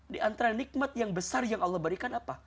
diantara nikmat yang besar yang allah berikan apa